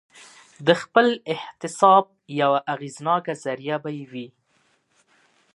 د خپل احتساب یوه اغېزناکه ذریعه به یې وي.